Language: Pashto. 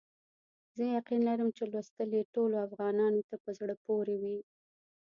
زه یقین لرم چې لوستل یې ټولو افغانانو ته په زړه پوري وي.